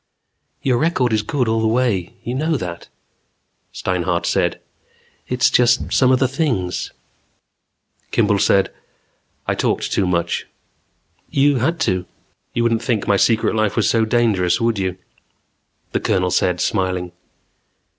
"Your record is good all the way. You know that," Steinhart said. "It's just some of the things " Kimball said: "I talked too much." "You had to." "You wouldn't think my secret life was so dangerous, would you," the Colonel said smiling.